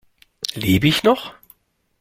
Lebe ich noch?